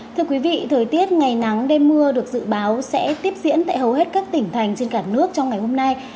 thưa quý vị thời tiết ngày nắng đêm mưa được dự báo sẽ tiếp diễn tại hầu hết các tỉnh thành trên cả nước trong ngày hôm nay